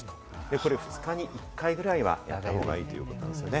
これ２日に１回くらいはやる方がいいということですね。